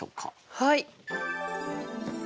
はい。